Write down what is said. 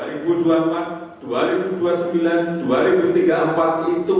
itu menjadi sebuah batu loncatan untuk kita